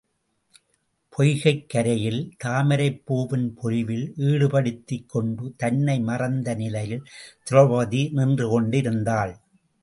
பொய்கைக் கரையில் தாமரைப் பூவின் பொலிவில் ஈடுபடுத்திக் கொண்டு தன்னை மறந்த நிலையில் திரெளபதி நின்று கொண்டிருந்தாள்.